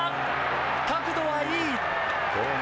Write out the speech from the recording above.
角度はいい！